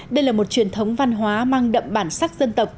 đây là một truyền thống văn hóa mang đậm bản sắc dân tộc